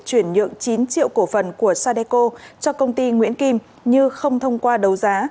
chuyển nhượng chín triệu cổ phần của sadeco cho công ty nguyễn kim như không thông qua đấu giá